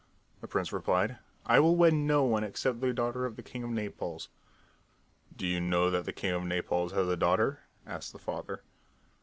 The prince replied: "I will wed no one except the daughter of the king of Naples." "Do you know that the king of Naples has a daughter?" asked the father.